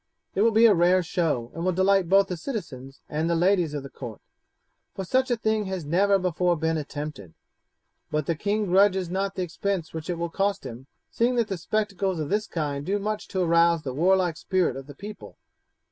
It will be a rare show, and will delight both the citizens and the ladies of the court, for such a thing has never before been attempted. But the king grudges not the expense which it will cost him, seeing that spectacles of this kind do much to arouse the warlike spirit of the people.